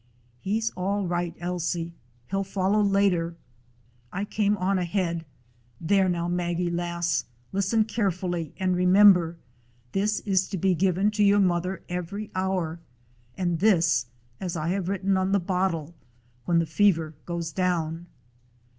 "He 's all right, Ailsie. He 'll follow later. 145 DOG HEROES OF MANY LANDS I came on ahead. There now, Maggie lass, listen carefully and remember. This is to be given to your mother every hour, and this, as I have written on the bottle, when the fever goes down.